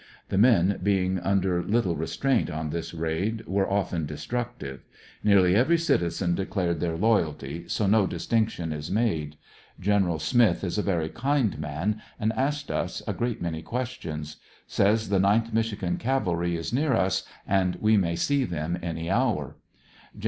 The men being under little restraint on this raid were of ten destructive. Nearly every citizen declared their loyalty, so no distinction is made. Gen. Smith is a very kind man, and asked us a great many questions. Says the 9th Michigan Cavalry is near us and we may see them any hour. Gen.